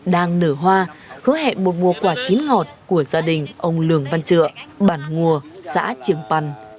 đang nở hoa hứa hẹn một mùa quả chín ngọt của gia đình ông lường văn trựa bản ngùa xã trường pần